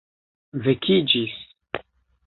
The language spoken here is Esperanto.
vekiĝis